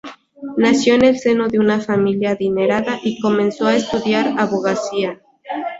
Nació en el seno de una familia adinerada y comenzó a estudiar abogacía.